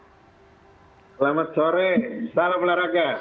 selamat sore salam olahraga